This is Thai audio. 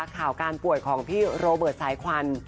ข่าวการป่วยของพี่โรเบิร์ตสายควัน